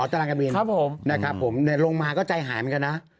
อ๋อตารางการบินนะครับผมลงมาก็ใจหายเหมือนกันนะ